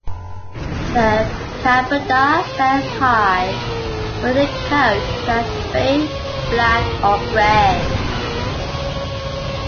The Kabarda stands high, with a coat that is bay, black, or gray.